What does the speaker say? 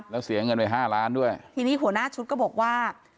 แล้วเสียเงินไปห้าล้านด้วยทีนี้หัวหน้าชุดก็บอกว่า